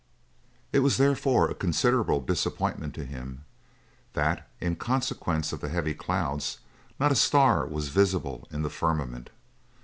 It was therefore a considerable disappointment to him that, in consequence of the heavy clouds, not a star was visible in the firmament.